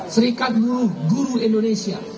serikat buruh guru indonesia